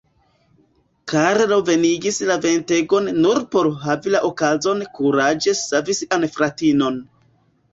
Karlo venigis la ventegon nur por havi la okazon kuraĝe savi sian fratinon.